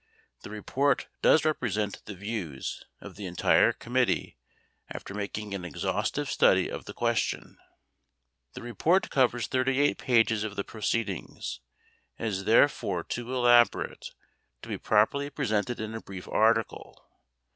The report does represent the views of the entire committee after making an exhaustive study of the question. The report covers 38 pages of the proceedings, and is therefore too elaborate to be properly presented in a brief article.